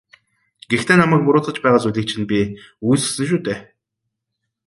Гэхдээ намайг буруутгаж байгаа зүйлийг чинь би үгүйсгэсэн шүү дээ.